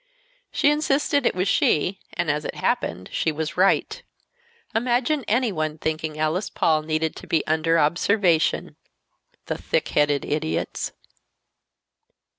She insisted it was she, and, as it happened, she was right. Imagine any one thinking Alice Paul needed to be 'under observation!' The thick headed idiots!"